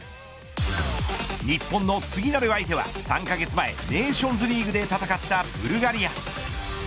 日本の次なる相手は３カ月前、ネーションズリーグで戦ったブルガリア。